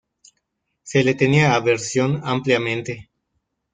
Se le tenía aversión ampliamente.